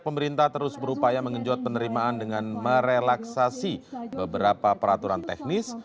pemerintah terus berupaya mengenjot penerimaan dengan merelaksasi beberapa peraturan teknis